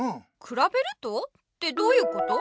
「くらべると？」ってどういうこと？